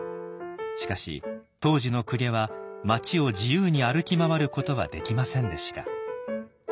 しかし当時の公家は町を自由に歩き回ることはできませんでした。